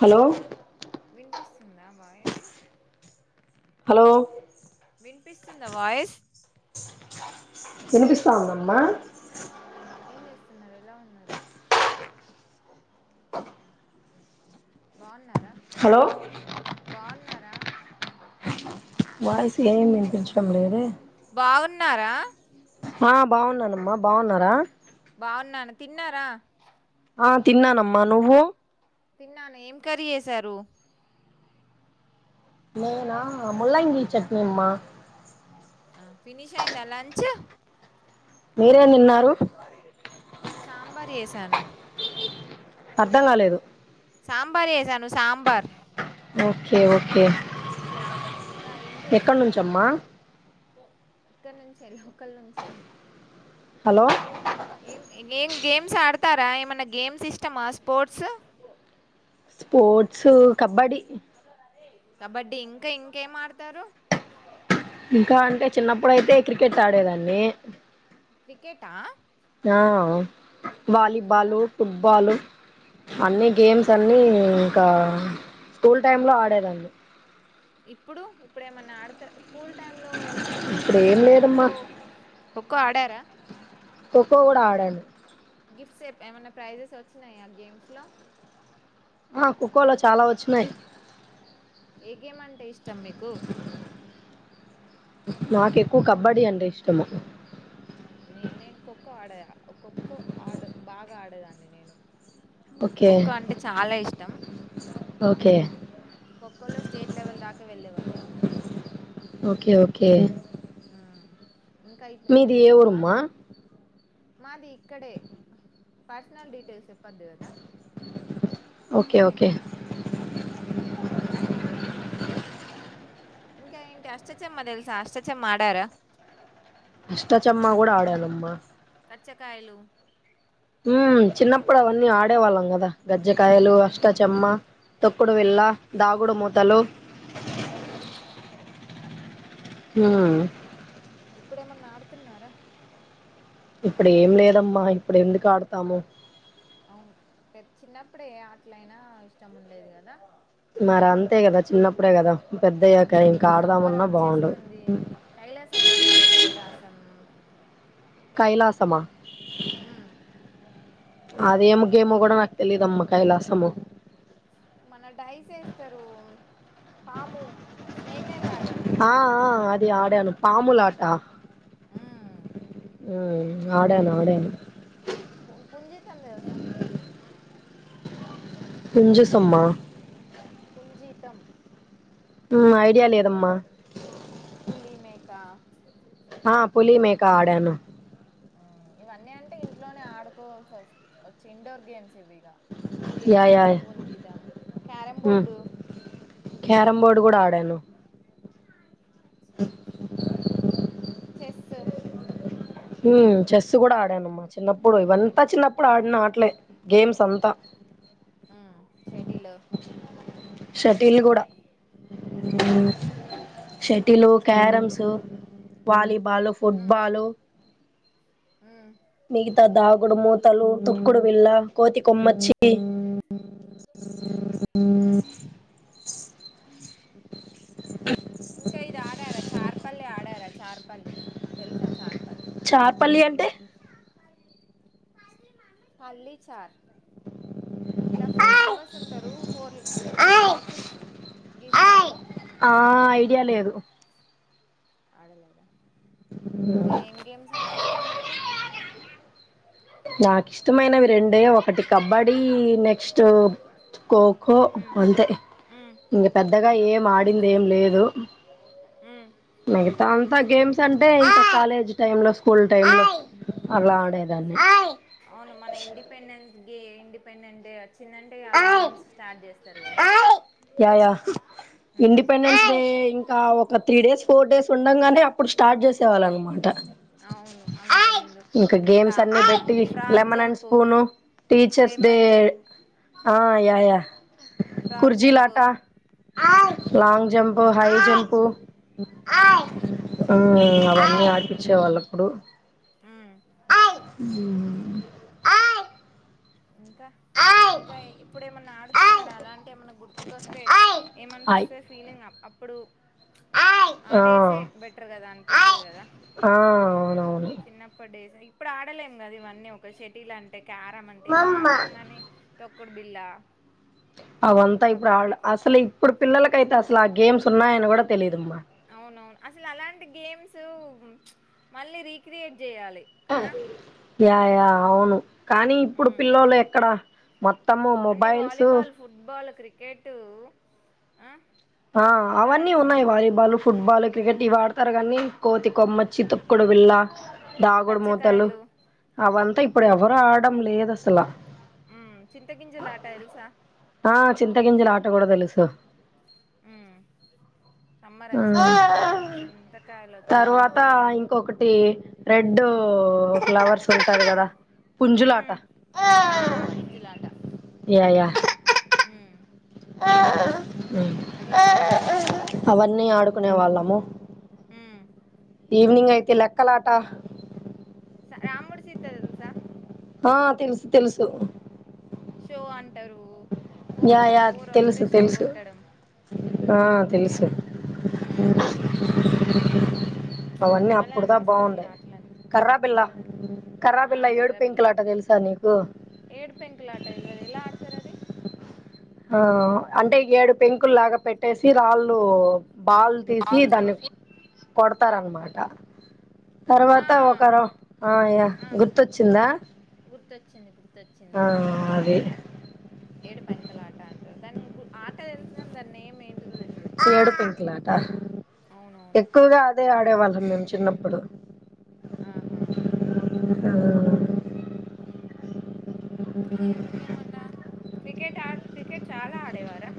Hello వినిపిస్తుందా voice hello వినిపిస్తున్న దవాయిస్ వినిపిస్తా దఅమ్మా ఏం చేస్తున్నారు ఎలా ఉన్నారు బాగున్నారా హలో బాగున్నారా వాయసు ఏమి వినిపించడం లేదు బావున్నారా ఆ బాగున్నానమ్మా బాగున్నారా బాగున్నాను తిన్నారా ఆ తిన్నానమ్మా నువ్వు తిన్నాను ఏం కర్రీ చేసారు నేనా ములంగి చట్నీ అమ్మా ఆ ఫినిష్ అయిందా లంచ్ మెరెంథిన్నారు నేను సాంబార్ చెసాను అర్ధం కాలేదు సాంబార్ చెసాను సాంబార్ ఓకే ఓకే ఇంకా ఏం ఎక్కడి చేస్తున్నారు నుంచమ్మా ఇక్కడ నుంచే లోకల్ నుంచే హలో ఏం గేమ్స్ ఆడతారా ఏమన్నా గేమ్స్ ఇష్టమా స్పోర్ట్స్ స్పోోర్ట్స్ కబడి కబడ్డీ ఇంకా ఇంకేం ఆడతారు ఇంకా అంటే చిన్నప్పుడుయితే క్రికెట్ ఆడేదాన్ని క్రికెట ఆ ఇంకా వాలీబాలు ఫుట్బాలు ఉమ్ అన్ని గేమ్స్ అ అనిఇంకా స్కూల్ టైమ్ ఉమ్ లో ఆడేదాడి ఇప్పుడు ఇప్పుడేమన్నా ఆడతే స్కూల్ టైమ్ లో ఈ మన ఇప్పుడు ఏం లేదమ్మా ఖోఖో ఖోఖో ఆడారా ోఖో కూడా ఆడండి గిఫ్ట్స్ ఏమన్నా ప్రైజెస్ వచ్చినాయా ఆ గేమ్స్ లో ఆ ఖఖోలో చాలా వచ్చినయి ఏ గేమ్ అంటే ఇష్టం మీకు నాకు ఎక్కువ కబడ్డీ అంటే ఇష్టము నే నేను ఖోఖో ఆడద ఖోఖో ఆడ బాగా ఆడేదండి నేని ఓకే ఖోఖో అంటే చాలా ఇష్టం ఓకే క్కోలో స్టేట్ లెవెల్ దాకా వెళ్ళినం ఓకే ఓకే ఇప్పు- అని మీది ఏ మీకు ఆ- ఊరుమ్మా మాది ఇక్కడే పర్సనల్ డీటెయిల్స్ చెప్పద్దు కదా ఓకే ఓకే మ్మ్. మన ఇంకా ఏంటి అష్టచమా తెలుసా అష్టచమ ఆడారా అష్టాచ్చమ్మా కూడా ఆడాల అమ్మా పచ్చకాయలు హ్మ్ చిన్నప్పుడు అవన్నీ ఆడేవాళ్ళం కదా గజ్జకాయలు అష్టా చెమ్మ తొక్కుడు విల్ళ దాగుడు మూతలు హ్మ్ హ్మ్ ఇప్పుడేమన్నా ఆడుతున్నారా ఇప్పుడు ఏం లేదమ్మా ఇప్పుడు ఎందుకు ఆడుతాము. అవును పెద్ చిన్నప్పుడే ఏ ఆటలైనా ఇష్టం ఉండేది కదా మరి అంతేగదా చిన్నప్పుడే గదా ఇప్పుడు సమ్మర్ వచ్చేస్తుంది కైలాసం ఆడారా కైలాసం కైలాసమా ఉమ్ అదేమ్ గేము కూడా నాకు తెలియదమ్మ కైలాసము మన డైస్ వేస్తారు పాము స్నేక్ అండ్ ల్యాడర్ ది ఆడాను పాములాటా ఉమ్ మ్మ్ ఆడాను ఆడాను పున్ పుంజితం తెలుసా మీకు కుంజి సమ్మా పుంజీతం మ్మ్ ఐడియా లేదమ్మా పులి మేక ఆ పులి మేకా ఆడాను మ్మ్ ఇవన్నీ అంటే ఇంట్లోనే ఆడుకోవాల్సి వస్ వచ్చి ఇండోర్ గేమ్స్ ఇవిగా పులి యా యా మేక యా. పుంజితం క్యారమ్ బోర్డు క్యారమ్ బోర్డు కూడా ఆడాను చెస్స్ హ్మ్ చెస్సు కూడా ఆడానమ్మా చిన్నప్పుడు ఇవంతా చిన్నప్పుడు ఆడిన ఆటలే గేమ్స్ అంతా, ఉమ్, షటిల్ షటిల్ కూడా ఉమ్, షటిల్ క్యారమ్స్ వాలీబాలు ఉమ్, ఫుట్బాలు ఉమ్ ఇంత దాగుడు మూతలు తుక్కుడు విల్లా కోతి కొమ్మచ్చి ఉమ్. ఇంకా ఇది ఆడారా చార్పల్లి ఆడారా చార్పల్లి తెలుసా చార్పల్లి చార్పల్లి అంటే పల్లి చార్ ఇట్లా ఫోర్ మెంబర్స్ ఉంటారు ఫోర్ ఫోర్ బాక్సెస్ గీస్తారు ఇయ్య లేదు ఇంకా ఏం గేమ్స్ అంటే ఇష్టం మీకు నాకు ఇష్టమైనవి రెండే ఒకటి కబడీ నెక్స్ట్ ఖోఖో ఉమ్, అంతే ఉమ్, ఇంక పెద్దగా అంతేనా ఏం ఆడింది ఏం లేదు హ్మ్ మిగతా అంతా గేమ్స్ అంటే ఇంకా కాలేజ్ టైమ్ లో స్కూల్ టైమ్ లో అలా ఆడేద న్ని అవును మన ఇండిపెండెన్స్ డే ఇండిపెండెంట్ వచ్చిందంటే చాలు గేమ్స్ స్టార్ట్ చేస్తారు కదా yeah yeah um independence day ఇంకా ఒక త్రీ డేస్ ఫోర్ డేస్ ఉండంగానే ఇప్పుడు స్టార్ట్ చేసే వాళ్ళ అన్నమాట అవును అంతకు ముందు ఇంకా గేమ్స్ అన్ని మన పెట్టి frog lemon and jump spoon teachers day lemon jump ఆ యా యా ఫ్రాగ్ జంపు కుర్జీలాట long jump um high jump ఆ ఉమ్ మ్ అవన్నీ ఆ వాళ్ళప్పుడు ఉమ్ మ్ ఇంకా ఇంకా ఇప్పుడు ఏమన్నా ఆడుతున్నారా అలాంటి ఏమైన్నా గుర్తుకొస్తే ఆయ్ ఏమనిపిస్తది ఫీలింగ్ అప్ ఇప్పుడు ఆ డేసే బెటర్ కదా అనిపిస్తది కదా అవునవును చిన్నప్పడి డేస్ వి ఇప్పుడు ఆడలేం కదా ఇవన్నీ ఒక షటిల్ అంటే క్యారం అంటే ఇవి ఆడతాం గానీ తోక్ తొక్కుడు బిళ్ళ అవంతా ఇప్పుడు కబడ్డీ ఖోఖో అసలు ఇప్పుడు పిల్లలకైతే అసలు ఆ గేమ్స్ ఉన్నాయని కూడా తెలిదు అవునవును అసలు అలాంటి గేమ్స్ మళ్ళీ రీక్రియేట్ చేయాలి కదా యా యా అవును కానీ ఇప్పుడు ఉమ్ పిల్లోలు ఎక్కడ మొత్ అన్ని వాలీబాల్ ఫుట్బాల్ క్రికెటు ఆ ఆ ఇవే అవన్నీ ఉన్నాయి ఆడుతున్నారు వాలీబాలు ఫుట్బాల్ క్రికెట్ ఇవాడతారు కానీ కోతి కొమ్మచ్చి తొక్కుడుబిల్ళ దాగుడు మూతలు కచ్చకాయలు అవంతా ఇప్పుడు ఎవరు ఆడడం లేదు అసల ఉమ్ చింతగిింజల ఆట తెల్సా ఆ చింతగంజిల ఆట కూడా తెలుసు హమ్ సమ్మర్ ఆ వచ్చిందంటే చింత చింతకాయలు తర్వాత వచ్చిందంటే ఇంకొకటి రెడ్ ఫ్లవర్స్ ఉంటది కదా పుంజులాట ఉమ్ ఆ పుంజులాట యా యా ఉమ్ అది కూడ అవన్నీ ఆడుకునే వాళ్ళము ఉమ్ ఈవినింగ్ అయితే లెక్కలాట స రాముడు సీత తెలుసా ఆ తెలుసు తెలుసు షో అంటారు ఫోర్ యా యా ఫోర్ వస్తే తెలుసు షో తెలుసు కొట్టడం ఆ తెలుసు ఉమ్ అవన్నీ భలే అప్పుడుదా అనిపిస్తది ఇగ బాగుండే ఆటలన్నీ కర్ర బిల్లా కదా కర్ర ఆ బిల్లా ఏడు కర్రా బిల్ల పెంకులాట తెలుసా నీకు ఏడు పెంకుల ఆట తెల్వదు ఎలా ఆడుతారు అది ఆ అంటే ఏడు పెంకులు లాగా పెట్టేసి రాళ్ళు బాల్ తీసి కాలు దాన్ని తీసి కొడతారనమాట ఆ తర్వాత ఒకరు ఆ యా ఆ గుర్తొచ్చిందా గుర్తొచ్చింది ఆ గుర్తొచ్చింది అది ఏడు పెంకల ఆట అంటారు దాన్ని గు ఆట తెలుసు కానీ దాన్ని ఏడు పెంకులాట అవునవును ఎక్కువగా అదే ఆడ్ ఆడేవాళ్ళం మేము చిన్నప్పుడు ఆ హా మ్ మ్ ఇంకా ఇంకేమన్నా క్రిక్ క్రికెట్ ఆ క్రికెట్ చాలా ఆడేవారా